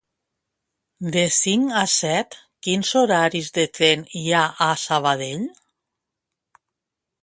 De cinc a set, quins horaris de tren hi ha a Sabadell?